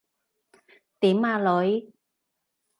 點呀，女？